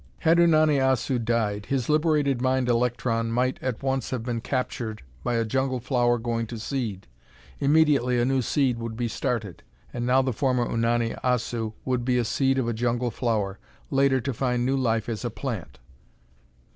Had Unani Assu died, his liberated mind electron might at once have been captured by a jungle flower going to seed. Immediately a new seed would be started. And now the former Unani Assu would be a seed of a jungle flower, later to find new life as a plant."